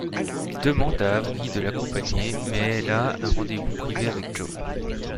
Il demande à Avery de l'accompagner mais elle a un rendez-vous privé avec Joe.